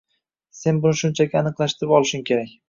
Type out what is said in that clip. Sen buni shunchaki aniqlashtirib olishing kerak.